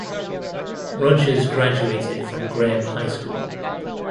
Rogers graduated from Graham High School.